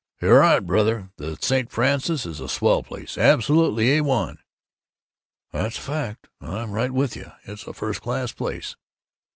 "You're right, brother! The St. Francis is a swell place absolutely A1." "That's a fact. I'm right with you. It's a first class place."